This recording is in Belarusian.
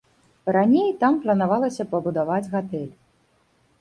Раней там планавалася пабудаваць гатэль.